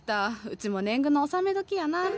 ウチも年貢の納め時やな。